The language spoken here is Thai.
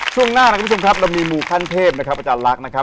ช่วงหน้านะครับคุณผู้ชมครับเรามีมูขั้นเทพนะครับอาจารย์ลักษณ์นะครับ